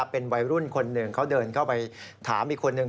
เป็นวัยรุ่นคนหนึ่งเขาเดินเข้าไปถามอีกคนนึง